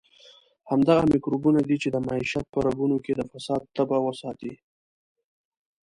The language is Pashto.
همدغه میکروبونه دي چې د معیشت په رګونو کې د فساد تبه وساتي.